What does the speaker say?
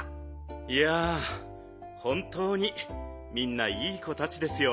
いやほんとうにみんないい子たちですよ。